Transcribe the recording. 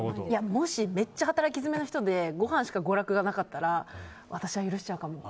もし、めっちゃ働き詰めの人でごはんしか娯楽がなかったら私は許しちゃうかも。